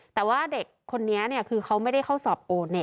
แต่ว่าเด็กคนนี้คือเขาไม่ได้เข้าสอบโอเนต